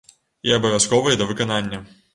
І абавязковыя да выканання!